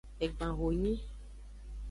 Egban honyi.